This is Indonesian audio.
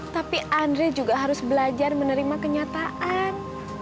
tapi andre juga harus belajar menerima kenyataan